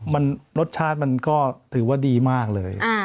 มันรสชาติมันก็ถือว่าดีมากเลย